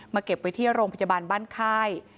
เก็บไว้ที่โรงพยาบาลบ้านค่าย